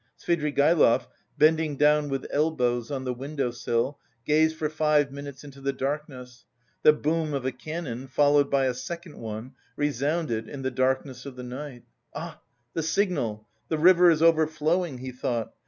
Svidrigaïlov, bending down with elbows on the window sill, gazed for five minutes into the darkness; the boom of a cannon, followed by a second one, resounded in the darkness of the night. "Ah, the signal! The river is overflowing," he thought.